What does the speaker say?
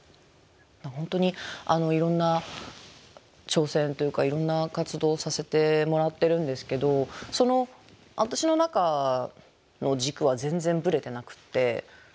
本当にいろんな挑戦というかいろんな活動をさせてもらってるんですけど私の中の軸は全然ブレてなくてやはり軸はモデルなんですよ。